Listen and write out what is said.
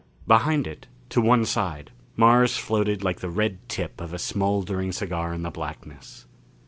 Behind it, to one side, Mars floated like the red tip of a smoldering cigar in the blackness.